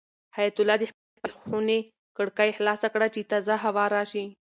حیات الله د خپلې خونې کړکۍ خلاصه کړه چې تازه هوا راشي.